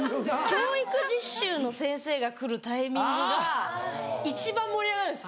教育実習の先生が来るタイミングが一番盛り上がるんです。